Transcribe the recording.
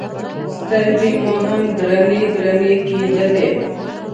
سترګې مو هم درنې درنې کېدلې.